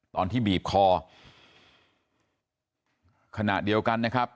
ตอนที่บีบคอขณะเดียวกันนะครับ